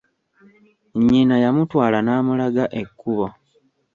Nnyina yamutwala n'amulaga ekkubo.